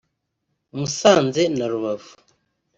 Musanze na Rubavu